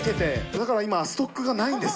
だから今、ストックがないんです。